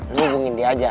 lo hubungin dia aja